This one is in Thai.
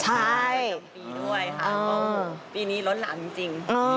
ทุกปีด้วยค่ะพอปีนี้ล้นหลังจริง